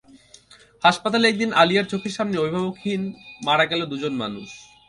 হাসপাতালে একদিন আলিয়ার চোখের সামনেই অভিভাবকহীন মারা গেল দুজন মানুষ।